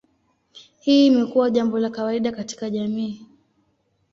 Hii imekuwa jambo la kawaida katika jamii.